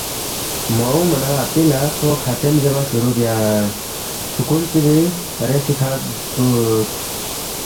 مہ اونگما نہ اپی لہ کھو کھچیم زیربا شروع بیاس، فُوکُون چِگی ریسی کھہ بُودس